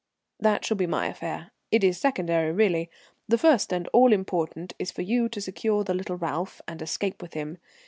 "That shall be my affair. It is secondary, really. The first and all important is for you to secure the little Ralph and escape with him.